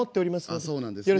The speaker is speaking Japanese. ああそうなんですね。